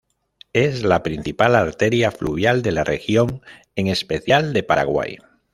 Es la principal arteria fluvial de la región, en especial, de Paraguay.